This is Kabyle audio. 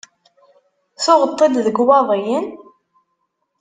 Tuɣeḍ-t-id deg Iwaḍiyen?